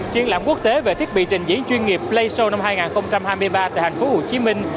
triển lãm quốc tế về thiết bị trình diễn chuyên nghiệp play show năm hai nghìn hai mươi ba tại thành phố hồ chí minh